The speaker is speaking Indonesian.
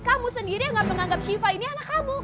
kamu sendiri yang gak menganggap shiva ini anak kamu